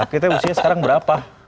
aki tuh usianya sekarang berapa